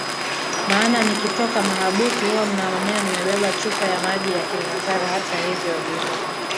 maana nikitoka mahabusu huwa mnaniona nimebeba chupa ya maji ya KilimanjaroHata hivyo Lissu